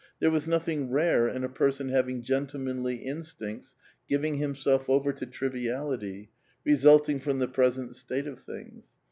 There was nothing rare in a person having gentlemanly instincts giving himself over to triviality, resulting from the present state of things.